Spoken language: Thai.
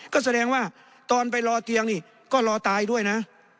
ก็แสดงว่าตอนไปรอเตียงนี่ก็รอตายด้วยนะ